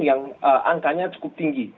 yang angkanya cukup tinggi